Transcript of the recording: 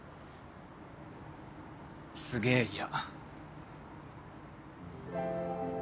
すげぇ嫌。